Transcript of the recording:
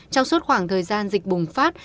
trong suốt khoảng thời gian dịch bùng phát